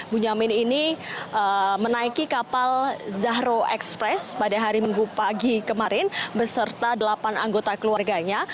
bunyamin ini menaiki kapal zahro express pada hari minggu pagi kemarin beserta delapan anggota keluarganya